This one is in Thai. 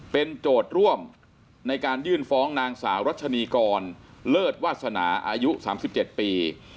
เป็นโจทย์ร่วมในการยื่นฟ้องนางสาวรัชนีกรเลิศวาสนาอายุ๓๗ปี